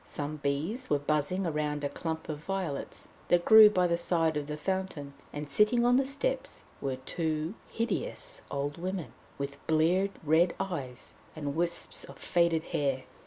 Some bees were buzzing round a clump of violets that grew by the side of the fountain, and sitting on the steps were two hideous old women, with bleared red eyes and wisps of faded hair.